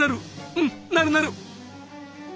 うんなるなる！